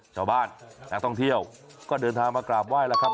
ชาวบ้านนักท่องเที่ยวก็เดินทางมากราบไหว้แล้วครับ